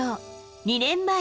２年前。